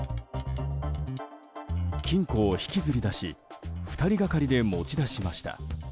金庫を引きずり出し２人がかりで持ち出しました。